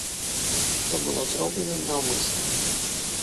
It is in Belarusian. Што было зроблена наўмысна.